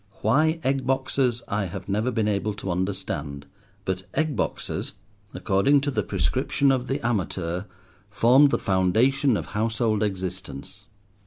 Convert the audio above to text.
Why egg boxes I have never been able to understand, but egg boxes, according to the prescription of The Amateur, formed the foundation of household existence.